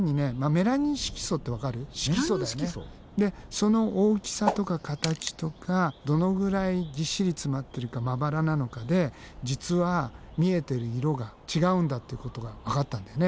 メラニン色素？でその大きさとか形とかどのぐらいぎっしり詰まってるかまばらなのかで実は見えてる色が違うんだってことがわかったんだよね。